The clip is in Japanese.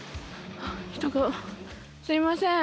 すいません